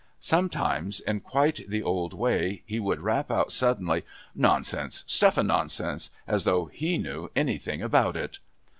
Sometimes, in quite the old way, he would rap out suddenly, "Nonsense stuff and nonsense!...As though he knew anything about it!"